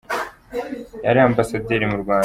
yari Ambasaderi mu Rwanda.